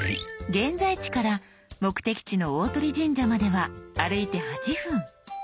「現在地」から目的地の「大鳥神社」までは歩いて８分。